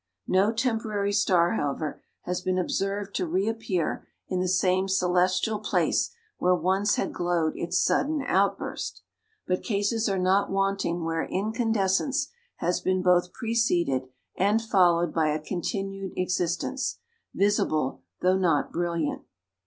No temporary star, however, has been observed to reappear in the same celestial place where once had glowed its sudden outburst. But cases are not wanting where incandescence has been both preceded and followed by a continued existence, visible though not brilliant.